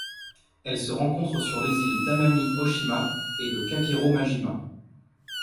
Elle se rencontre sur les îles d'Amami-Ōshima et de Kakeromajima.